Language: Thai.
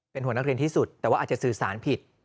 เป็นห่วงนักเรียนที่สุดแต่ว่าอาจจะสื่อสารผิด